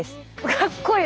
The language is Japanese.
かっこいい！